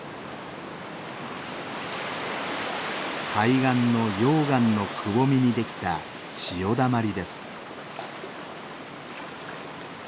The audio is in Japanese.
海岸の溶岩のくぼみにできた潮だまりです。